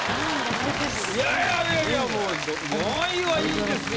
いやいやいやいやもう４位はいいですよ。